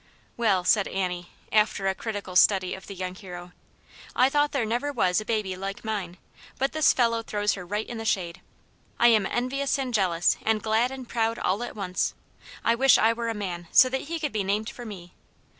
" Well," said Annie, after a critical study of the young hero, " I thought there never was a baby like mine, but this fellow throws her right into the shade. I am envious and jealous and glad and proud all at once. I wish I were a man, so that he could be named for me.